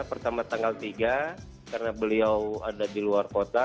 pertama tanggal tiga karena beliau ada di luar kota